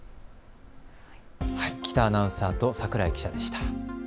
喜多アナウンサーと櫻井記者でした。